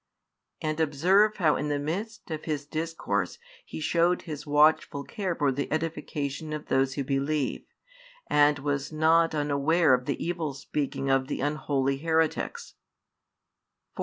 And observe how in the midst of His discourse He showed His watchful care for the edification of those who believe, and was not unaware of the evil speaking of the unholy heretics.